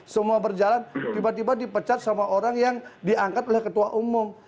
semua berjalan tiba tiba dipecat sama orang yang diangkat oleh ketua umum